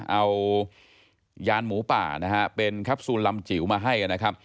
เอายานหมูป่าเป็นครับซูนลำจิ๋วมาให้